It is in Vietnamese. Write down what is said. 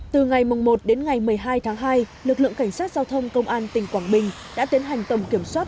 từ ngày một đến ngày một mươi hai tháng hai lực lượng cảnh sát giao thông công an tỉnh quảng bình đã tiến hành tổng kiểm soát